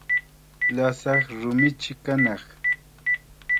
Lasaq rumichi kanaq.